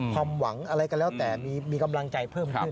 ความหวังอะไรก็แล้วแต่มีกำลังใจเพิ่มขึ้น